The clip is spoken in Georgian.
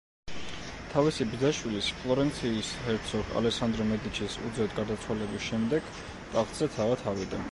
თავისი ბიძაშვილის, ფლორენციის ჰერცოგ ალესანდრო მედიჩის უძეოდ გარდაცვალების შემდეგ ტახტზე თავად ავიდა.